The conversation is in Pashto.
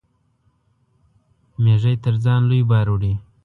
مېږى تر ځان لوى بار وړي.